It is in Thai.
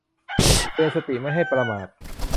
เตือนสติไม่ให้ประมาท